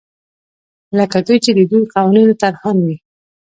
لکه دوی چې د دې قوانینو طراحان وي.